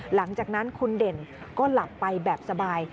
หลังจากนั้นคุณเด่นก็หลับไปแบบสบาย